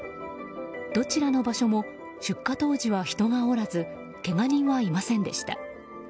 どちらの場所も出火当時は人がおらずけが人はいませんでした。